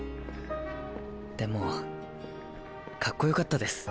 でもかっこよかったです